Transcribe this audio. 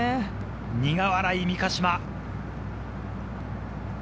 苦笑いの三ヶ島。